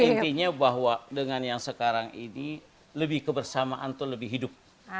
intinya bahwa dengan yang sekarang ini lebih kebersamaan itu lebih hidup